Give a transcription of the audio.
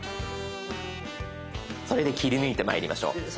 それで切り抜いてまいりましょう。